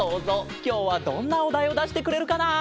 きょうはどんなおだいをだしてくれるかな？